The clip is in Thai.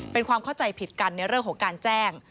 เป็นความเข้าใจผิดกันในเรื่องของการแจ้ง